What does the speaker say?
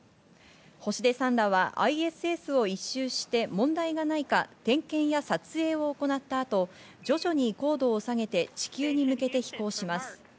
星出さんらはＩＳＳを一周して問題がないか点検や撮影を行った後、徐々に高度を下げて地球に向けて飛行します。